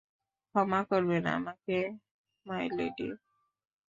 ক্ষমা করবেন আমাকে, মাই লেডি!